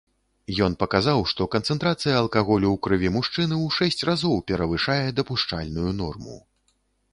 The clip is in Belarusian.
Ён паказаў, што канцэнтрацыя алкаголю ў крыві мужчыны ў шэсць разоў перавышае дапушчальную норму.